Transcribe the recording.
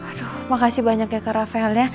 aduh makasih banyak ya kak rafael